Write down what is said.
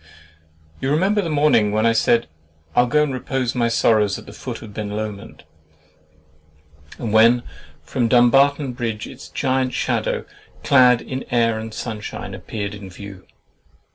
You remember the morning when I said "I will go and repose my sorrows at the foot of Ben Lomond"—and when from Dumbarton Bridge its giant shadow, clad in air and sunshine, appeared in view.